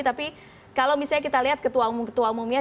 tapi kalau misalnya kita lihat ketua umum ketua umumnya